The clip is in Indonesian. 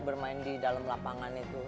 bermain di dalam lapangan itu